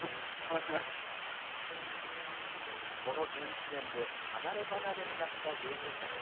この１１年で離れ離れになった友人たち。